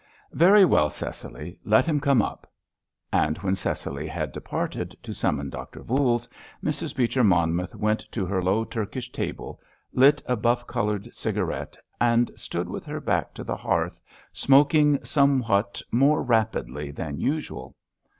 "Very well, Cecily, let him come up." And when Cecily had departed to summon Doctor Voules, Mrs. Beecher Monmouth went to her low Turkish table, lit a buff coloured cigarette, and stood with her back to the hearth, smoking somewhat more rapidly than usual.